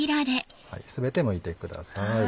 全てむいてください。